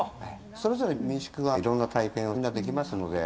それぞれの民宿でいろんな体験をみんなできますので。